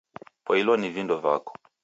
Poilwa ni vindo vako.